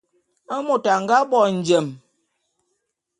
Môt a nga bo njem.